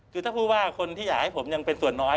คือถ้าพูดว่าคนที่อยากให้ผมยังเป็นส่วนน้อย